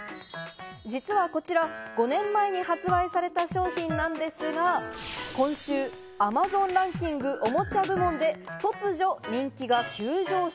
実はこちら、５年前に発売された商品なんですが、今週、Ａｍａｚｏｎランキングおもちゃ部門で突如人気が急上昇。